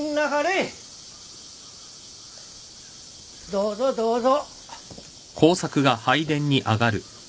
どうぞどうぞ。